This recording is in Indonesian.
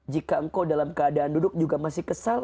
jika engkau dalam keadaan duduk juga masih kesal